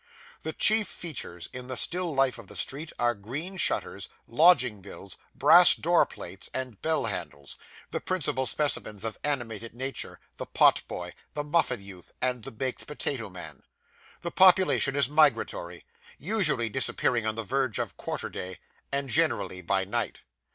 The chief features in the still life of the street are green shutters, lodging bills, brass door plates, and bell handles; the principal specimens of animated nature, the pot boy, the muffin youth, and the baked potato man. The population is migratory, usually disappearing on the verge of quarter day, and generally by night.